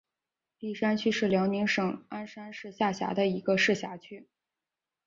立山区是辽宁省鞍山市下辖的一个市辖区。